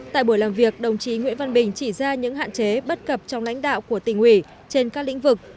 tại buổi làm việc đồng chí nguyễn văn bình chỉ ra những hạn chế bất cập trong lãnh đạo của tỉnh ủy trên các lĩnh vực